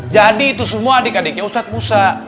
itu semua adik adiknya ustadz musa